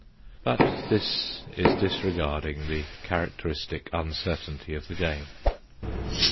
But this is disregarding the characteristic uncertainty of the game.